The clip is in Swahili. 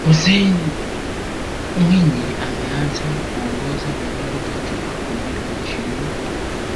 Hussein Mwinyi ameanza kuongoza Novemba tatu elfu mbili na ishirini